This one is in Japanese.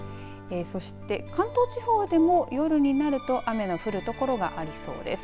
そして関東地方でも夜になると雨の降る所がありそうです。